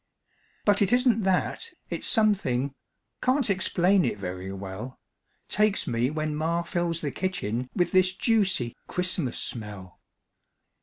But it isn't that, it's something Can't explain it very well Takes me when ma fills the kitchen With this juicy Christmas smell.